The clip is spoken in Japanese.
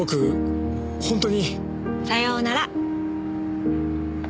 さようなら。